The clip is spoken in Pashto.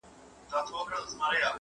که په ښار کي نور طوطیان وه دی پاچا وو-